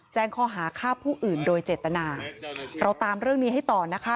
แจ้งข้อหาฆ่าผู้อื่นโดยเจตนาเราตามเรื่องนี้ให้ต่อนะคะ